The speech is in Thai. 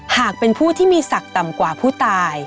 หากเป็นผู้ที่มีศักดิ์ต่ำกว่าผู้ตาย